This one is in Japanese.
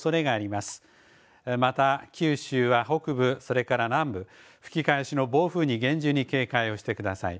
また九州は北部、それから南部、吹き返しの暴風に厳重に警戒をしてください。